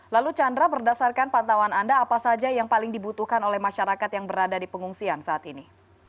lalu chandra berdasarkan pantauan anda apa saja yang paling dibutuhkan oleh masyarakat yang berada di pengungsian saat ini